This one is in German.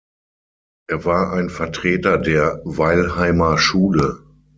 Er war ein Vertreter der „Weilheimer Schule“.